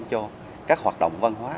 cho các hoạt động văn hóa